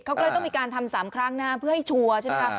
เขาก็เลยต้องมีการทำ๓ครั้งนะเพื่อให้ชัวร์ใช่ไหมคะ